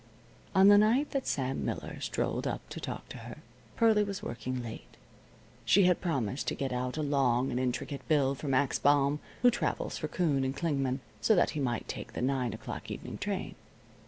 On the night that Sam Miller strolled up to talk to her, Pearlie was working late. She had promised to get out a long and intricate bill for Max Baum, who travels for Kuhn and Klingman, so that he might take the nine o'clock evening train.